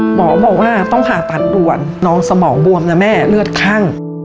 หมอบอกว่าต้องผ่าตัดด่วนน้องสมองบวมนะแม่เลือดคั่ง